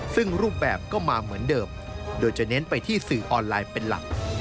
ซึ่งรูปแบบก็มาเหมือนเดิมโดยจะเน้นไปที่สื่อออนไลน์เป็นหลัก